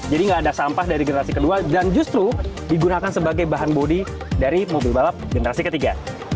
jadi nggak ada sampah dari generasi kedua dan justru digunakan sebagai bahan bodi dari mobil balap generasi ketiga